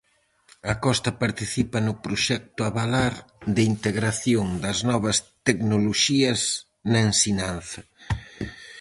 A Costa participa no proxecto Abalar de integración das novas tecnoloxías na ensinanza.